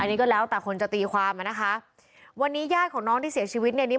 อันนี้ก็แล้วแต่คนจะตีความอ่ะนะคะวันนี้ญาติของน้องที่เสียชีวิตเนี่ย